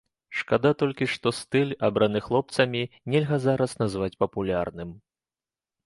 Шкада толькі, што стыль, абраны хлопцамі, нельга зараз назваць папулярным.